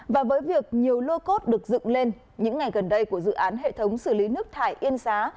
và với việc nhiều lô cốt được dựng lên những ngày gần đây của dự án hệ thống xử lý nước thải yên xá